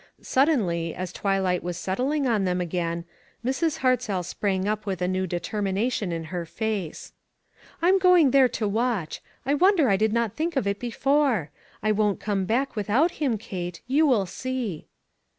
Suddenly, as twilight was settling on them again, Mrs. Hartzell sprang up with a new determination in her face. "I'm going there to watch. I wonder I did not think of it before. I won't come back without him, Kate, you will see."